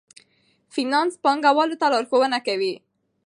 فینانس پانګوالو ته لارښوونه کوي.